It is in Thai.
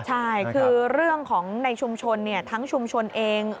ใช่คือเรื่องของในชุมชนทั้งชุมชนเอง